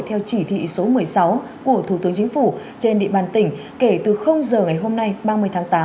theo chỉ thị số một mươi sáu của thủ tướng chính phủ trên địa bàn tỉnh kể từ giờ ngày hôm nay ba mươi tháng tám